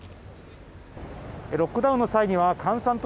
ロックダウンの際には閑散と